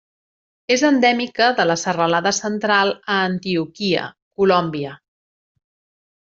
És endèmica de la Serralada Central a Antioquia, Colòmbia.